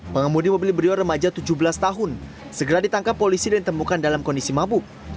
pengemudi mobil berio remaja tujuh belas tahun segera ditangkap polisi dan ditemukan dalam kondisi mabuk